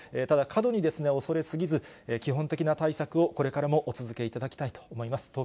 ただ、過度に恐れすぎず、基本的な対策をこれからもお続けいただきたいと思います。